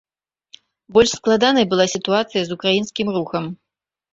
Больш складанай была сітуацыя з украінскім рухам.